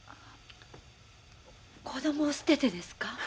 子供を捨ててですか？